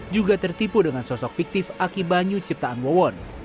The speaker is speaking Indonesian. juga tertipu dengan sosok fiktif aki banyu ciptaan wawon